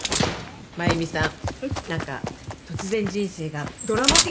真由美さん何か突然人生がドラマチックになってるんだって。